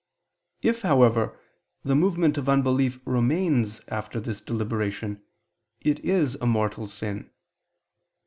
If, however, the movement of unbelief remains after this deliberation, it is a mortal sin.